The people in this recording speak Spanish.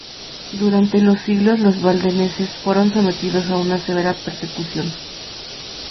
Durante siglos los valdenses fueron sometidos a una severa persecución.